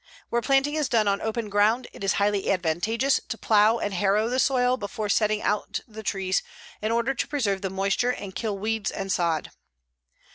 Where planting is done on open ground, it is highly advantageous to plow and harrow the soil before setting out the trees in order to preserve the moisture and kill weeds and sod.